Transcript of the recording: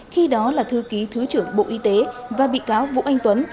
khi đó là thư ký thứ trưởng bộ y tế và bị cáo vũ anh tuấn